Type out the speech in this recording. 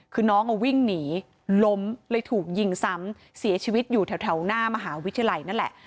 คือน้องวิ่งหนีล้มเลยถูกยิงซ้ำเสียชีวิตอยู่แถวหน้ามหาวิทยาลัยนั่นแหละ